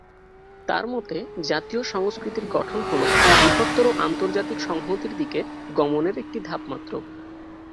তার মতে জাতীয় সংস্কৃতির গঠন হলো বৃহত্তর আন্তর্জাতিক সংহতির দিকে গমনের একটি ধাপ মাত্র।